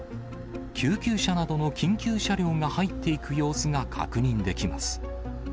救急車などの緊急車両が入っていく様子が確認できます。